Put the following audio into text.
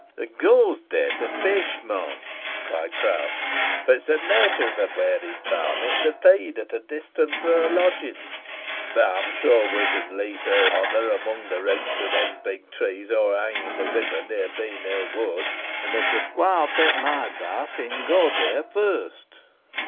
"Hoo goes theere to fish, mon?" cried Crouch, "for it is the natur o' the wary varmint to feed at a distance fro' her lodgin; boh ey'm sure we shan leet on her among the roots o' them big trees o'erhanging th' river near Bean Hill Wood, an if the squire 'll tay my advice, he'n go theere first."